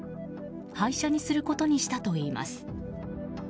廃車にすることにしたといいます。